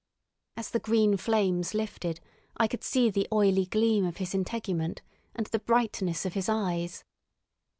As the green flames lifted I could see the oily gleam of his integument and the brightness of his eyes.